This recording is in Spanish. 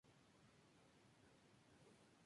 Algunos manuscritos nombran a "Zósimo" como el autor.